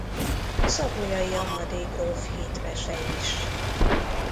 Savoyai Amadé gróf hitvese is.